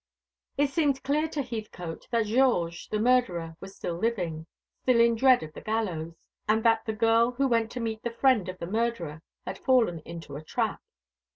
It seemed clear to Heathcote that Georges, the murderer, was still living, still in dread of the gallows; and that the girl who went to meet the friend of the murderer had fallen into a trap.